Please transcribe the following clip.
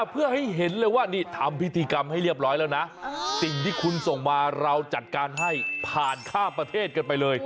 เพื่อให้เห็นเลยว่านี่ทำพิธีกรรมให้เรียบร้อยแล้วนะสิ่งที่คุณส่งมาเราจัดการให้ผ่านข้ามประเทศกันไปเลย